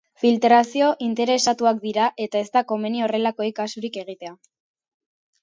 Filtrazio interesatuak dira eta ez da komeni horrelakoei kasurik egitea.